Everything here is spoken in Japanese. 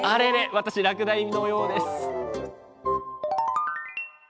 私落第のようです